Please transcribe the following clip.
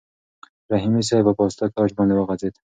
رحیمي صیب په پاسته کوچ باندې وغځېد.